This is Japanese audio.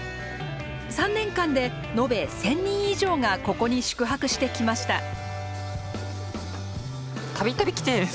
３年間でのべ１，０００人以上がここに宿泊してきました。